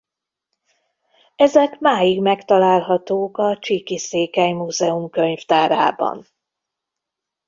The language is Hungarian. Ezek máig megtalálhatók a Csíki Székely Múzeum könyvtárában.